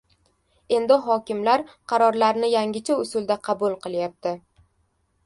Endi hokimlar qarorlarni yangicha usulda qabul qilyapti